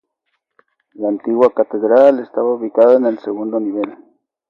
La antigua catedral estaba ubicada en el segundo nivel.